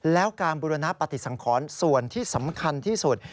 แล้วการบุรณปฏิสังขรส่วนที่สำคัญที่สุด